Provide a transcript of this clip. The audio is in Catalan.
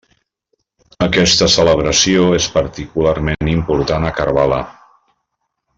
Aquesta celebració és particularment important a Karbala.